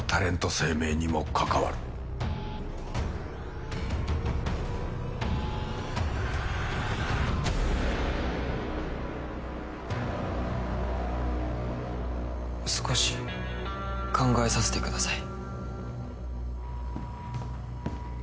生命にも関わる少し考えさせてください